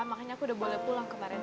makanya aku udah boleh pulang kemarin